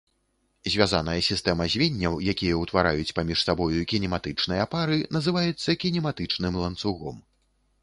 Звязаная сістэма звенняў, якія ўтвараюць паміж сабою кінематычныя пары, называецца кінематычным ланцугом.